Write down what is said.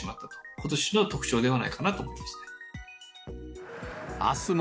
ことしの特徴ではないかなと思いますね。